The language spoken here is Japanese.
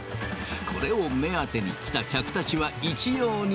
これを目当てに来た客たちは一様に。